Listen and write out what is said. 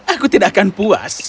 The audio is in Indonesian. aku tidak akan puas